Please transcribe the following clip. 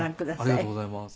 ありがとうございます。